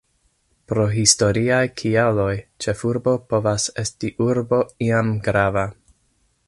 Pro historiaj kialoj, ĉefurbo povas esti urbo iam grava.